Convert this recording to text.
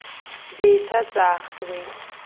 Деиҭаҵаахт уи.